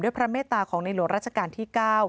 ด้วยพระเมตตาของนิหลวนราชกาลที่๙